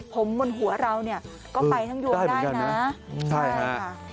ผมบนหัวเราก็ไปทั้งดวงได้นะได้เหมือนกันนะใช่ค่ะ